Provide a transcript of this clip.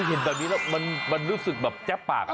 เห็นตอนนี้แล้วมันรู้สึกแจ้บปาก